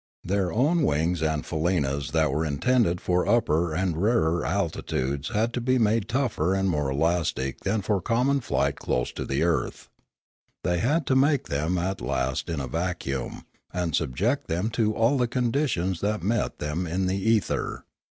Their own wings and faleenas that were intended for upper and rarer altitudes had to be made tougher and more elastic than for common flight close to the earth. They had to make them at last in a vacuum, and subject them to all the conditions that met them in the ether.